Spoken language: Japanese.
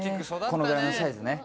このぐらいのサイズね